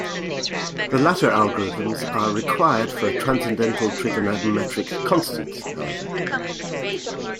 The latter algorithms are required for transcendental trigonometric constants, however.